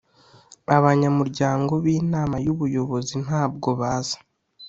abanyamuryango b’inama y ‘ubuyobozi ntabwo baza.